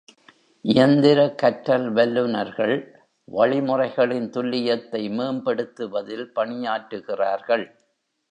இயந்திர கற்றல் வல்லுநர்கள் வழிமுறைகளின் துல்லியத்தை மேம்படுத்துவதில் பணியாற்றுகிறார்கள்.